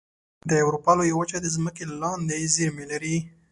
د اروپا لویه وچه د ځمکې لاندې زیرمې لري.